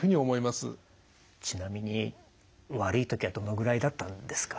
ちなみに悪い時はどのぐらいだったんですか？